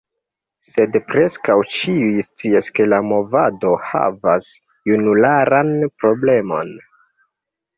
Sed preskaŭ ĉiuj scias ke la movado havas junularan problemon.